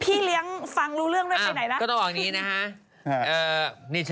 พี่เลี้ยงฟังรู้เรื่องด้วยไปไหนล่ะ